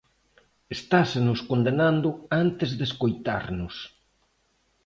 Estásenos condenando antes de escoitarnos.